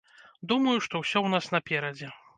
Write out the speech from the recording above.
Думаю, што ўсё ў нас наперадзе.